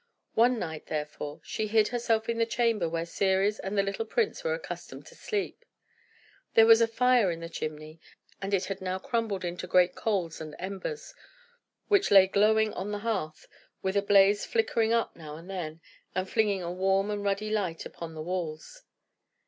One night, therefore, she hid herself in the chamber where Ceres and the little prince were accustomed to sleep. There was a fire in the chimney, and it had now crumbled into great coals and embers, which lay glowing on the hearth, with a blaze flickering up now and then, and flinging a warm and ruddy light upon the walls.